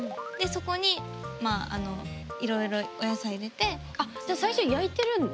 そこにいろいろお野菜入れてあっじゃあ最初焼いてるんですか？